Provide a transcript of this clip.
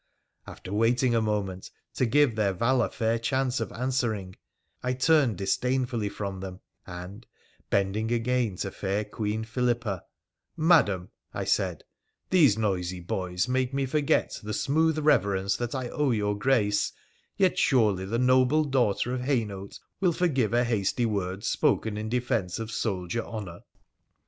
After waiting a moment, to give their valour fair chance of answering, I turned disdainfully from them, and, bending again to fair Queen Philippa, ' Madam,' I said, ' these noisy boys make me forget the smooth reverence that I owe your PHRA THE PH&NICIAN 253 Grace, yet surely the noble daughter of Hainault will forgive a hasty word spoken in defence of soldier honour